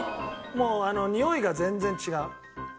もうにおいが全然違う。